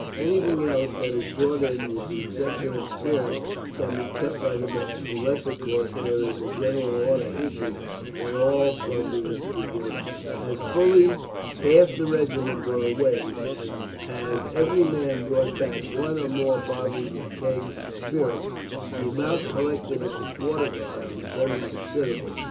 Anything else that is brought in, with the exception of spirits, can be kept by the men, unless of course there is a general order issued that all plunder is to be given up." As fully half the regiment were away, and as every man brought back one or more bottles or kegs of spirits, the amount collected at the quarter guard was very considerable.